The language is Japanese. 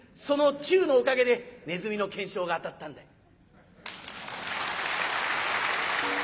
その忠のおかげでネズミの懸賞が当たったんだ」。